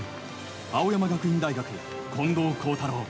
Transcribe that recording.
青山学院大学、近藤幸太郎。